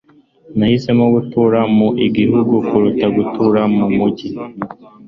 Nahisemo gutura mu gihugu kuruta gutura mu mujyi.